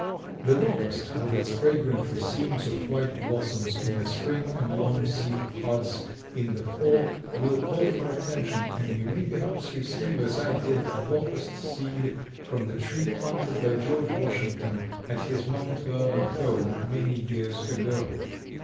The locust with its fragrant racemes of white blossoms in the spring and long seed pods in the fall will call for attention, and you may perhaps receive, as I did, a locust seed from the tree planted by George Washington at his Mount Vernon home many years ago.